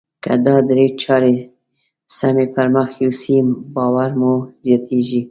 که دا درې چارې سمې پر مخ يوسئ باور مو زیاتیږي.